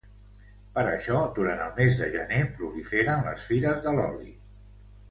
Per això, durant el mes de gener proliferen les fires de l’oli.